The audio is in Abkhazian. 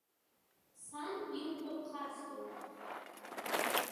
Сан илҳәо хасҵоит.